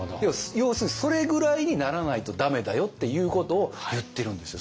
要するにそれぐらいにならないと駄目だよっていうことを言ってるんですよ